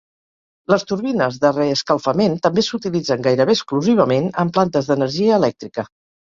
Les turbines de reescalfament també s'utilitzen gairebé exclusivament en plantes d'energia elèctrica.